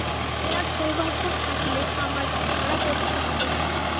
তোমার সৌভাগ্য থাকলে, আমার ধরা পড়তে হবে না।